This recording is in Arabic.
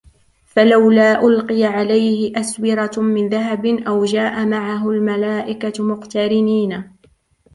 فَلَوْلَا أُلْقِيَ عَلَيْهِ أَسْوِرَةٌ مِنْ ذَهَبٍ أَوْ جَاءَ مَعَهُ الْمَلَائِكَةُ مُقْتَرِنِينَ